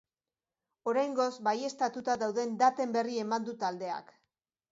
Oraingoz baieztatuta dauden daten berri eman du taldeak.